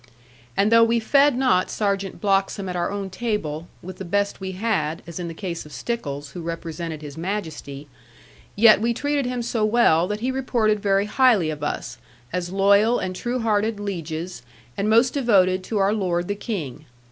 And though we fed not Sergeant Bloxham at our own table, with the best we had (as in the case of Stickles, who represented His Majesty), yet we treated him so well, that he reported very highly of us, as loyal and true hearted lieges, and most devoted to our lord the King.